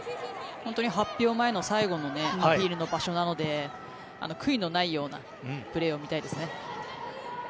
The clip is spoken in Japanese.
本当に発表前の最後のアピールの場所なので悔いのないようなプレーを見たいですね。